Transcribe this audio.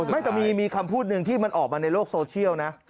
ไม่แต่มีคำพูดหนึ่งที่มันออกมาในโลกโซเชียลนะ